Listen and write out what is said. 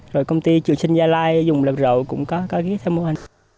rồi công ty trường sinh gia lai dùng làm rậu cũng có ký thăm mua